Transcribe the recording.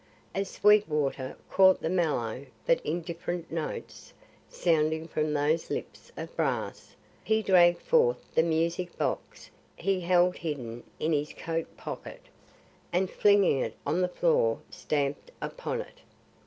As Sweetwater caught the mellow but indifferent notes sounding from those lips of brass, he dragged forth the music box he held hidden in his coat pocket, and flinging it on the floor stamped upon it.